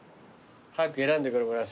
早く選んでくれ村重。